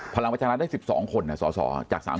พลังประชารัฐลด้วย๑๒คนนะส่อจากจารย์ตัว